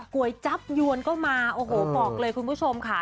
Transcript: ๋วยจับยวนก็มาโอ้โหบอกเลยคุณผู้ชมค่ะ